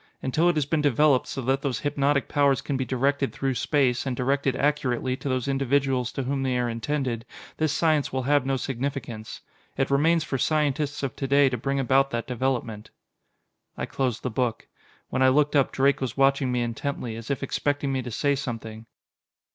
Until it has been developed so that those hypnotic powers can be directed through space, and directed accurately to those individuals to whom they are intended, this science will have no significance. It remains for scientists of to day to bring about that development." I closed the book. When I looked up, Drake was watching me intently, as if expecting me to say something.